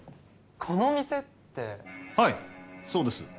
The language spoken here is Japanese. このお店ってはいそうです